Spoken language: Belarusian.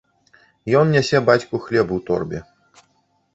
Ён нясе бацьку хлеб у торбе.